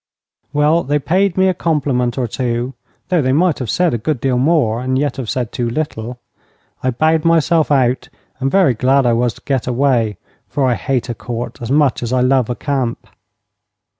Well, they paid me a compliment or two, though they might have said a good deal more and yet have said too little. I bowed myself out, and very glad I was to get away, for I hate a Court as much as I love a camp.